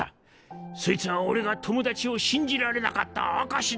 「そいつは俺が友達を信じられなかった証しだ！」